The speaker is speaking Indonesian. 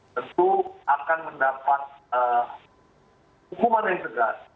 tentu akan mendapat hukuman yang tegas